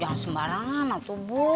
jangan sembarangan lah tuh bu